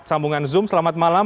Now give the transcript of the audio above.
sambungan zoom selamat malam